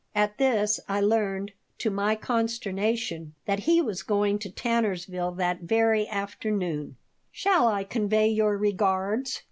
At this I learned, to my consternation, that he was going to Tannersville that very afternoon "Shall I convey your regards?"